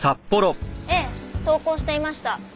ええ投稿していました。